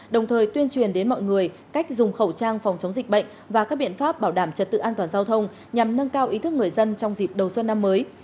đồng thời tuyên truyền đến mọi người cách dùng khẩu trang phòng chống dịch bệnh và các biện pháp bảo đảm trật tự an toàn giao thông nhằm nâng cao ý thức người dân trong dịp đầu xuân năm mới